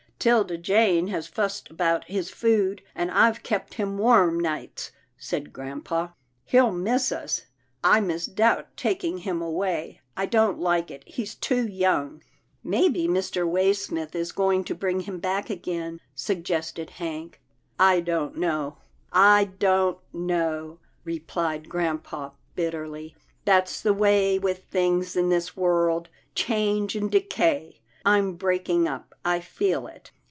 " 'Tilda Jane has fussed about his food, and I've kept him warm nights," said grampa. " He'll miss us — I misdoubt taking him away. I don't like it — he's too young." " Maybe Mr. Waysmith is going to bring him back again," suggested Hank. " I don't know — I don't know," replied grampa bitterly. "That's the way with things in this 236 'TILDA JANE'S ORPHANS world. Change and decay — I'm breaking up. I feel it."